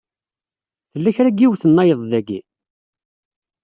Tella kra n yiwet nnayeḍ daki?